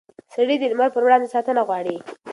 سړي د لمر پر وړاندې ساتنه غواړي.